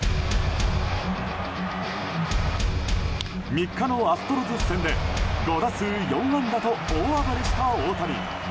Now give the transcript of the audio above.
３日のアストロズ戦で５打数４安打と大暴れした大谷。